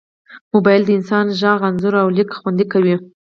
موبایل د انسان غږ، انځور، او لیک خوندي کوي.